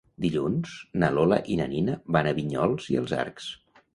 Dilluns na Lola i na Nina van a Vinyols i els Arcs.